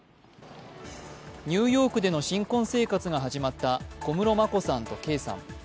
ニューヨークでの新婚生活が始まった小室眞子さんと圭さん。